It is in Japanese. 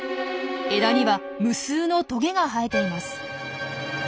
枝には無数のトゲが生えています。